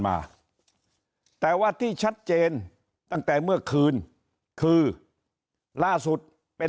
มาแต่ว่าที่ชัดเจนตั้งแต่เมื่อคืนคือล่าสุดเป็น